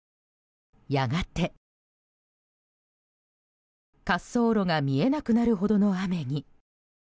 やがて、滑走路が見えなくなるほどの雨に。